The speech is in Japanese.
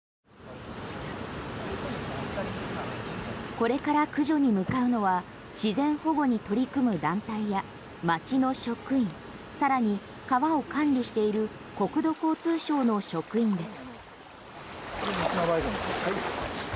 これから駆除に向かうのは自然保護に取り組む団体や町の職員さらに川を管理している国土交通省の職員です。